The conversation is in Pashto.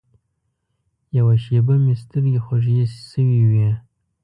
یوه شېبه مې سترګې خوږې شوې وې.